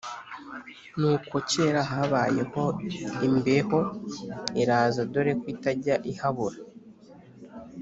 ni uko kera kabaye imbeho iraza dore ko itajya ihabura.